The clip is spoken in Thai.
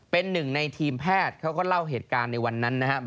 เป็นหนึ่งในทีมแพทย์เขาก็เล่าเหตุการณ์ในวันนั้นนะครับ